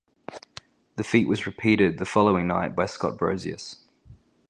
The feat was repeated the following night by Scott Brosius.